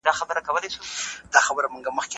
پوهانو ویلي چي مزاجي یووالی ډېر ضروري دی.